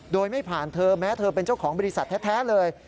โดยไม่ผ่านเธอแม้เธอเป็นเจ้าของบริษัทแท้เลย